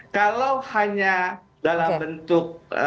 kalau hanya dalam bentuk